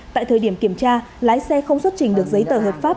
tại thời điểm kiểm tra lái xe không xuất trình được giấy tờ hợp pháp